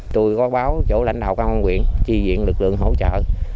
tôi có báo chỗ lãnh đạo công an quyền trì diện lực lượng hỗ trợ